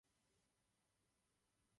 Byl by odsouzen k smrti.